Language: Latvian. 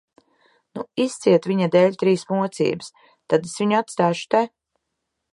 Nu, izciet viņa dēļ trīs mocības, tad es viņu atstāšu te.